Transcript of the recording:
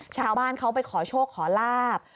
ชาวบ้านเขาไปขอโชคขอลาบ